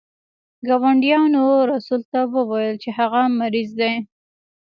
ګاونډیانو رسول ته وویل چې هغه مریض دی.